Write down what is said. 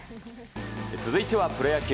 続いてはプロ野球。